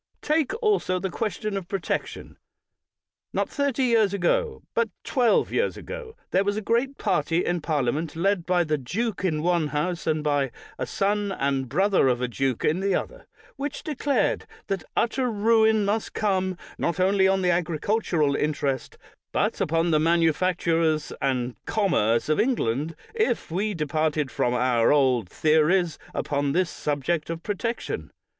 Take also the question of protection. Not thirty years ago, but twelve years ago, there was a great party in Parliament, led by the duke in one House, and by a son and brother of a duke in the other, which declared that utter ruin must come, not only on the agricultural in terest, but upon the manufactures and commerce of England, if we departed from our old theories upon this subject of protection.